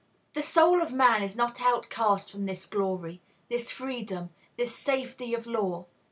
The soul of man is not outcast from this glory, this freedom, this safety of law.